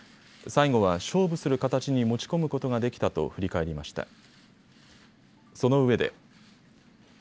最後は勝負する形に持ち込むことができたと振り返りました。